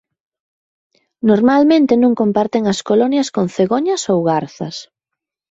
Normalmente non comparten as colonias con cegoñas ou garzas.